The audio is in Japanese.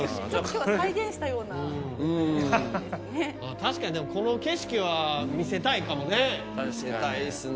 確かにでもこの景色は見せたいかもね見せたいですね